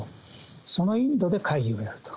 そのインドで会議があると。